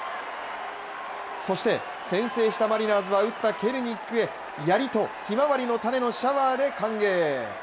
そして先制したマリナーズは打ったケルニックへやりとひまわりの種のシャワーで歓迎。